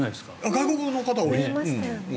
外国の方、多い。